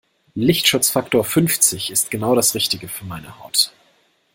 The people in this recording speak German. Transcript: Lichtschutzfaktor fünfzig ist genau das Richtige für meine Haut.